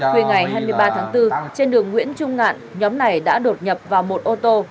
khuya ngày hai mươi ba tháng bốn trên đường nguyễn trung ngạn nhóm này đã đột nhập vào một ô tô